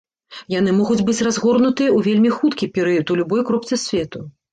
Яны могуць быць разгорнутыя ў вельмі хуткі перыяд у любой кропцы свету.